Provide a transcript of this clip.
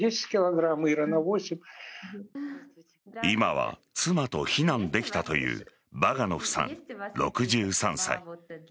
今は妻と避難できたというバガノフさん、６３歳。